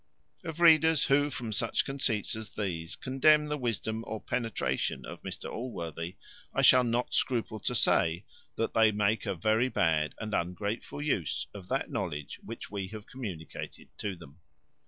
Of readers who, from such conceits as these, condemn the wisdom or penetration of Mr Allworthy, I shall not scruple to say, that they make a very bad and ungrateful use of that knowledge which we have communicated to them.